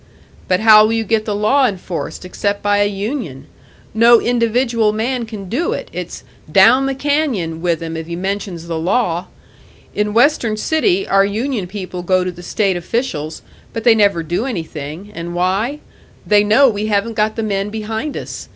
"But how will you get the law enforced, except by a union? No individual man can do it it's 'down the canyon' with him if he mentions the law. In Western City our union people go to the state officials, but they never do anything and why? They know we haven't got the men behind us!